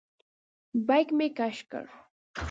بیک مې کش کړ.